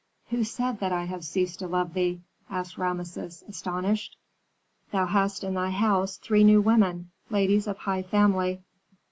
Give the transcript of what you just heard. "Who said that I have ceased to love thee?" asked Rameses, astonished. "Thou hast in thy house three new women ladies of high family."